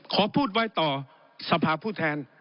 ขอพูดไว้ต่อสภาพผู้แทน